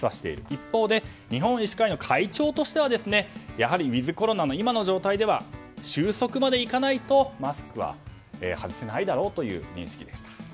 一方で日本医師会の会長としてはやはりウィズコロナの今の状態では終息までいかないとマスクは外せないだろうという認識でした。